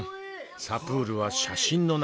サプールは写真の中。